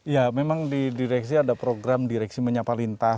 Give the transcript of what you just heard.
ya memang di direksi ada program direksi menyapa lintas